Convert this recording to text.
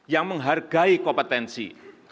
yang menghargai kompetensi